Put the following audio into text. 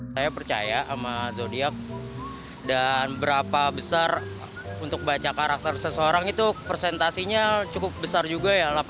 saya percaya sama zodiac dan berapa besar untuk baca karakter seseorang itu presentasinya cukup besar juga ya